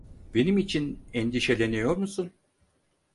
Benim için endişeleniyor musun?